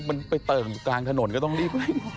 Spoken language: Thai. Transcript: มันไปเติมกลางถนนก็ต้องรีบ